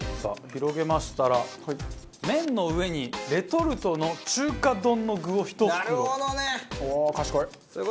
広げましたら麺の上にレトルトの中華丼の具を１袋。